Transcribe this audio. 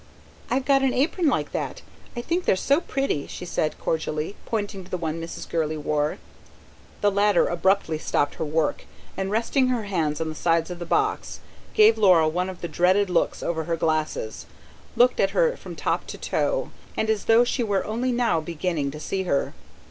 "I've got an apron like that. I think they're so pretty," she said cordially, pointing to the one Mrs. Gurley wore. The latter abruptly stopped her work, and, resting her hands on the sides of the box, gave Laura one of the dreaded looks over her glasses, looked at her from top to toe, and as though she were only now beginning to see her.